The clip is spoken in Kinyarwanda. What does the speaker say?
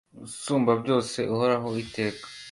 usumbabyose uhoraho iteka